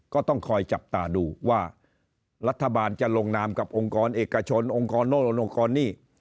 ก็ต้องคอยจับตาดูว่ารัฐบาลจะลงนามกับองค์กรเอกชนองค์กรโน่นองค์กรนี่